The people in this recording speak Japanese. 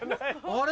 あれ？